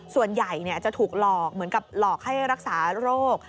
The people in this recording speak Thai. ส่วนใหญ่จะถูกหลอกเหมือนกับหลอกให้รักษาโรค